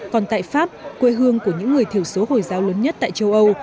còn tại pháp quê hương của những người thiểu số hồi giáo lớn nhất tại châu âu